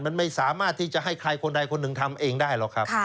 มันไม่สามารถที่จะให้ใครคนใดคนหนึ่งทำเองได้หรอกครับ